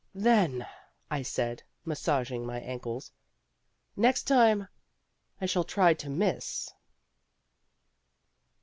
"Then," I said, massaging my ankles, "next time I shall try to miss."